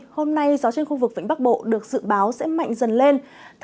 hôm nay gió trên khu vực vĩnh bắc bộ được dự báo sẽ mạnh dần lên